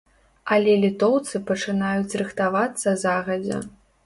Але літоўцы пачынаюць рыхтавацца загадзя.